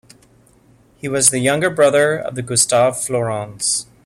He was the younger brother of Gustave Flourens.